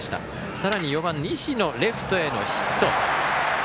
さらに４番の石野レフトへのヒット。